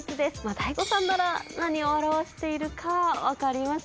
ＤＡＩＧＯさんなら何を表しているか分かりますよね？